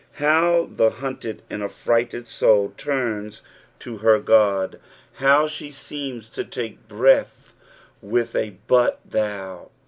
How the hunted and affrighted soul turns to her Ood ! How she seenu to take breath with a " but, thou